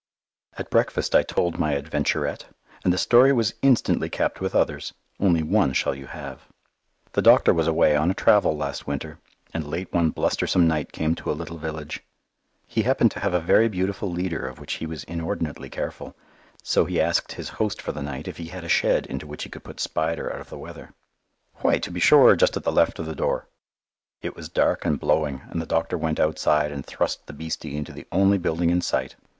At breakfast I told my adventurette, and the story was instantly capped with others. Only one shall you have. The doctor was away on a travel last winter, and late one blustersome night came to a little village. He happened to have a very beautiful leader of which he was inordinately careful, so he asked his host for the night if he had a shed into which he could put Spider out of the weather. "Why, to be sure, just at the left of the door." It was dark and blowing, and the doctor went outside and thrust the beastie into the only building in sight.